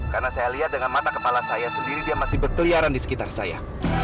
karena saya lihat dengan mata kepala saya sendiri dia masih berkeliaran di sekitar saya